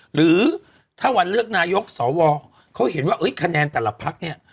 หรือถ้าวันเลือกนายกสวเขาเห็นว่าคะแนนแต่ละพักเนี่ย